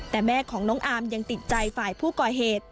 แต่แม่ของน้องอาร์มยังติดใจฝ่ายผู้ก่อเหตุ